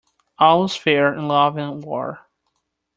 All's fair in love and war.